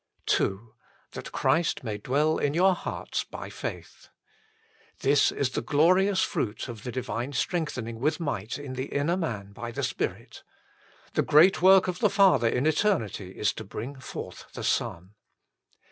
II That Christ may dwell in your hearts ly faith. This is the glorious fruit of the divine strengthening with might in the inner man by the Spirit. The great work of the Father in eternity is to bring forth the Son.